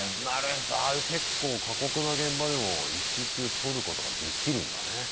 なるへそああいう結構過酷な現場でも育休取ることができるんだね。